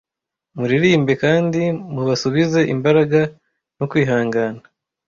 muririmbe kandi mubasubize imbaraga no kwihangana